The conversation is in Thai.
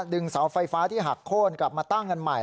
เสาไฟฟ้าที่หักโค้นกลับมาตั้งกันใหม่